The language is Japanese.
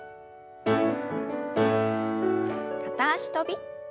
片脚跳び。